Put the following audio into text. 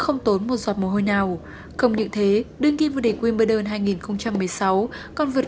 vượt xuống một giọt mồ hôi nào không những thế đương kiên vô địch wimbledon hai nghìn một mươi sáu còn vượt